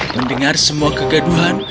mendengar semua kegaduhan